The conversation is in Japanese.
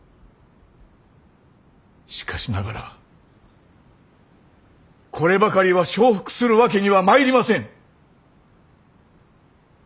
しかしながらこればかりは承服するわけにはまいりません。